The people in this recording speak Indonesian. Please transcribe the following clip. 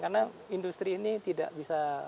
karena industri ini tidak bisa